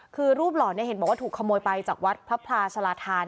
คือรูปหล่อเนี่ยเห็นบอกว่าถูกขโมยไปจากวัดพระพลาสลาธาน